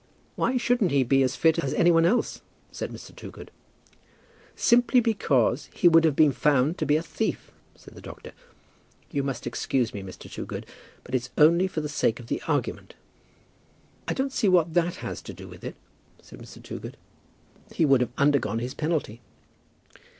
"Why shouldn't he be as fit as any one else?" said Mr. Toogood. "Simply because he would have been found to be a thief," said the doctor. "You must excuse me, Mr. Toogood, but it's only for the sake of the argument." "I don't see what that has to do with it," said Mr. Toogood. "He would have undergone his penalty."